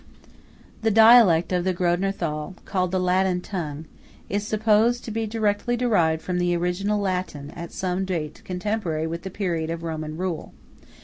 The dialect of the Grödner Thal, called the Ladin tongue, is supposed to be directly derived from the original Latin at some date contemporary with the period of Roman rule.